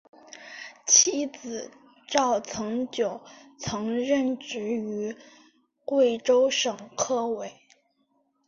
妻子赵曾玖则任职于贵州省科委。